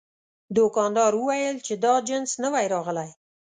دوکاندار وویل چې دا جنس نوی راغلی.